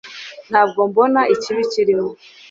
Ntabwo mbona ikibi kirimo